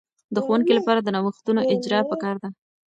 د ښوونکې لپاره د نوښتونو اجراء په کار ده.